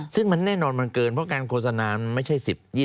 ซึ่งมันแน่นอนมันเกินเพราะการโฆษณามันไม่ใช่๑๐๒๐